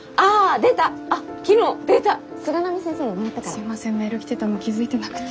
すいませんメール来てたの気付いてなくて。